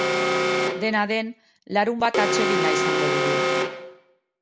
Dena den, larunbat atsegina izango dugu.